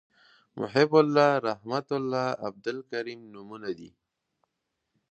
محیب الله رحمت الله عبدالکریم نومونه دي